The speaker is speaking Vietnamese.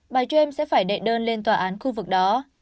bà james sẽ phải đệ đơn lên tòa án khu vực đó